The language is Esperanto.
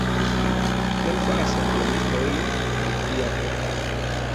Kion faras eldonistoj en tia okazo?